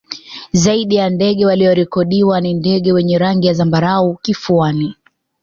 Zaidi ya ndege waliorikodiwa ni ndege wenye rangi ya zambarau kifuani